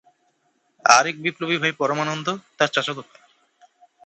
আরেক বিপ্লবী ভাই পরমানন্দ তার চাচাত ভাই।